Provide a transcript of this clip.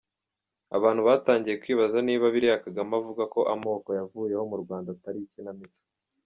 Abantu batangiye kwibaza niba biriya Kagame avuga ko amoko yavuyeho mu Rwanda atari ikinamico.